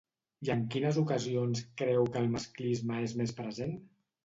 I en quines ocasions creu que el masclisme és més present?